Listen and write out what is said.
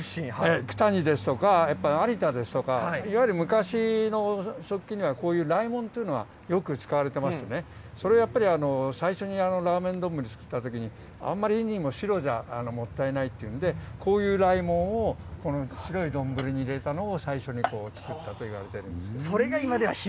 九谷ですとか、やっぱり有田ですとか、いわゆる昔の食器には、こういうらいもんというのがよく使われてましてね、それやっぱり、最初にラーメンどんぶり作ったときに、あんまりにも白じゃもったいないっていうんで、こういうらいもんをこの白い丼に入れたのを、最初に作ったといわれているんです。